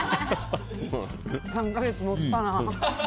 ３か月持つかな。